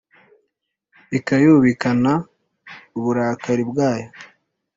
ikayubikana uburakari bwayo